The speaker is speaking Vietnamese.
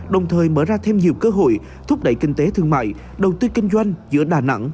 đồng thời mở ra thêm nhiều cơ hội thúc đẩy kinh tế thương mại đầu tư kinh doanh giữa đà nẵng